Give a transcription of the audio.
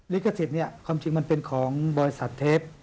วิกษิตความจริงมันเป็นของบริษัทเทป